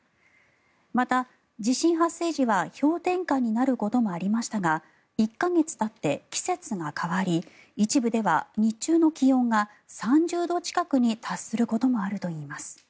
また、地震発生時は氷点下になることもありましたが１か月たって季節が変わり一部では日中の気温が３０度近くに達することもあるといいます。